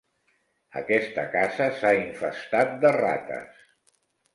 Aquesta casa s'ha infestat de rates.